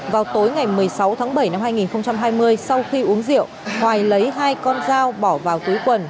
vào tối ngày một mươi sáu tháng bảy năm hai nghìn hai mươi sau khi uống rượu hoài lấy hai con dao bỏ vào túi quần